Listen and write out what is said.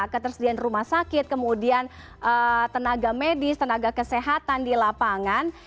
ketersediaan rumah sakit kemudian tenaga medis tenaga kesehatan di lapangan